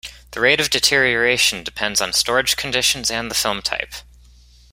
The rate of deterioration depends on storage conditions and the film type.